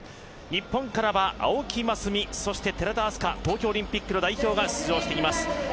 日本からは青木益未、そして寺田明日香、東京オリンピック代表が出場してきます。